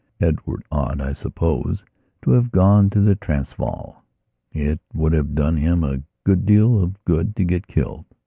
Edward ought, I suppose, to have gone to the Transvaal. It would have done him a great deal of good to get killed.